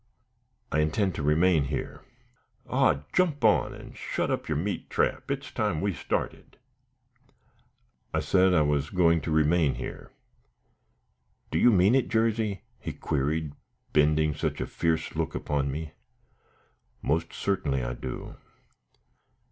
"I intend to remain here." "Ogh! jump on, an' shut up yer meat trap; it's time we started." "I said I was going to remain here." "Do you mean it, Jarsey?" he queried, bending such a fierce look upon me. "Most certainly I do."